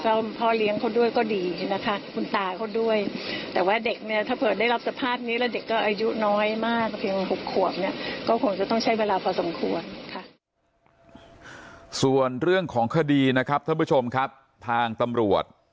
ไว้มากเพียงหุบขวบเนี่ยก็คงจะต้องใช้เวลาพอสมควรค่ะส่วนเรื่องของคดีนะครับท่านผู้ชมครับทางตำรวจ